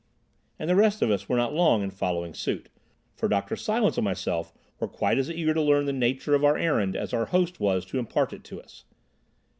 And the rest of us were not long in following suit, for Dr. Silence and myself were quite as eager to learn the nature of our errand as our host was to impart it to us.